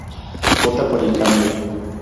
Vota por el cambio.